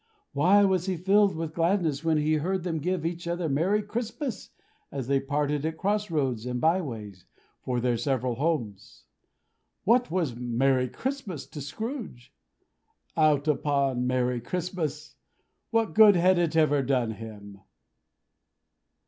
Why was he filled with gladness when he heard them give each other Merry Christmas, as they parted at cross roads and bye ways, for their several homes? What was Merry Christmas to Scrooge? Out upon Merry Christmas! What good had it ever done to him?